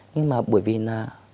nhưng mà bởi vì là